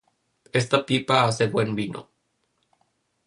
Esta pipa hace buen vino.